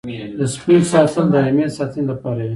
د سپیو ساتل د رمې د ساتنې لپاره وي.